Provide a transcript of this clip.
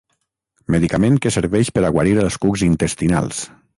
Medicament que serveix per a guarir els cucs intestinals.